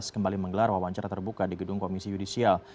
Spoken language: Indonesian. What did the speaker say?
kembali menggelar wawancara terbuka di gedung komisi yudisial